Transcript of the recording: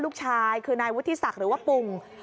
ลูกชายคือนายวุฒิศักดิ์หรือว่าปุ่ง